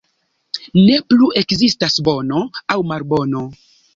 Ne plu ekzistas bono aŭ malbono.